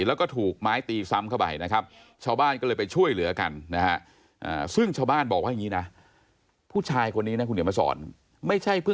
แล้วก็ถูกไม้ตีซ้ำเข้าไปนะครับ